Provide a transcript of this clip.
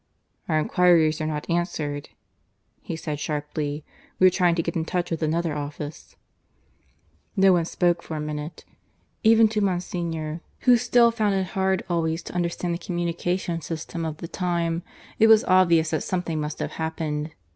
"Our enquiries are not answered," he said sharply. "We are trying to get into touch with another office." No one spoke for a minute. Even to Monsignor, who still found it hard always to understand the communication system of the time, it was obvious that something must have happened.